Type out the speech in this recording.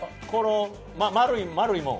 丸いもん。